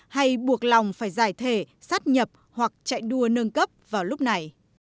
hay buộc lòng phải giải thể sát nhập hoặc chạy đua nâng cấp vào lúc này